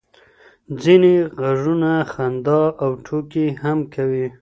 ځینې غږونه خندا او ټوکې هم کوي.